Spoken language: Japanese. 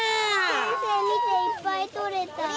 先生、見ていっぱい取れた。